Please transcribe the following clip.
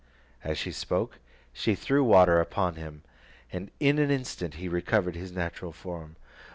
As she spoke, she threw water upon him, and in an instant he recovered his natural form.